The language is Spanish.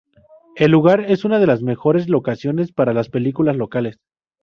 El lugar es una de las mejores locaciones para las películas locales.